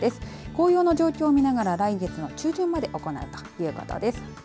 紅葉の状況を見ながら来月の中旬まで行うということです。